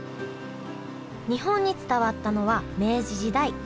日本に伝わったのは明治時代へえ。